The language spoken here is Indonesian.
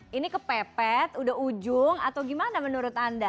apakah ini sudah kepepet sudah ujung atau bagaimana menurut anda